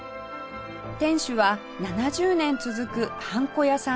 店主は７０年続くはんこ屋さんの３代目